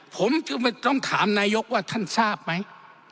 ผมจึงต้องถามนายกว่าท่านทราบไหม